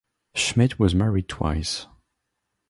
Schmid was married twice.